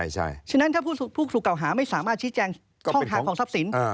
เพราะฉะนั้นถ้าผู้ถูกเก่าหาไม่สามารถชี้แจงช่องทางของทรัพย์สิน